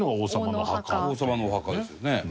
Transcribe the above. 伊達：王様のお墓ですよね。